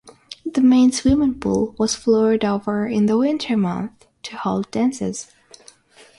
The main swimming pool was floored over in the winter months to hold dances.